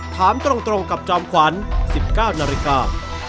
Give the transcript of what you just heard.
ถามตรงกับจอมขวัญ๑๙นาฬิกา